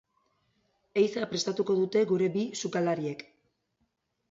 Ehiza prestatuko dute gure bi sukaldariek.